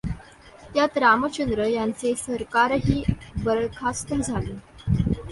त्यात रामचंद्रन यांचे सरकारही बरखास्त झाले.